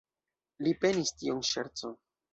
Li penis tion ŝerco.